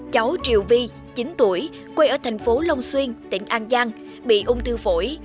cháu triều vi chín tuổi quê ở thành phố long xuyên tỉnh an giang bị ung thư phổi